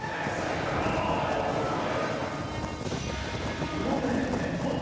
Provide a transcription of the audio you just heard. １本目で転倒。